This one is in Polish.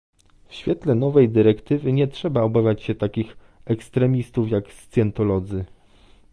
W świetle nowej dyrektywy nie trzeba obawiać się takich ekstremistów jak scjentolodzy